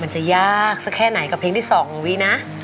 จะยากสักแค่ไหนกับเพลงที่๒ของวินะ